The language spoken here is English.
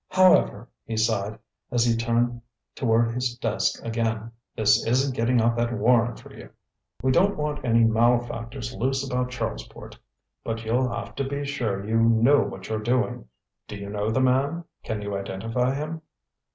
"However," he sighed, as he turned toward his desk again, "this isn't getting out that warrant for you. We don't want any malefactors loose about Charlesport; but you'll have to be sure you know what you're doing. Do you know the man can you identify him?"